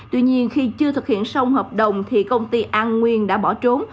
tuy nhiên khi chưa thực hiện xong hợp đồng thì công ty an nguyên đã bỏ trốn